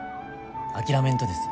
諦めんとです